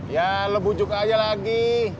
ya lebih bujuk aja lagi